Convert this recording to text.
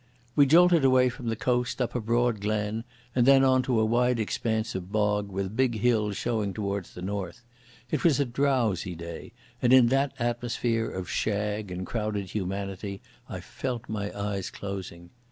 We jolted away from the coast up a broad glen and then on to a wide expanse of bog with big hills showing towards the north. It was a drowsy day, and in that atmosphere of shag and crowded humanity I felt my eyes closing.